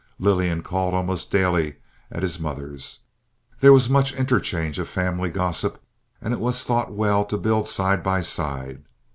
Lillian called almost daily at his mother's. There was much interchange of family gossip, and it was thought well to build side by side.